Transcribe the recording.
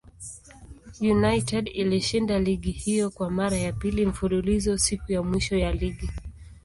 United ilishinda ligi hiyo kwa mara ya pili mfululizo siku ya mwisho ya ligi.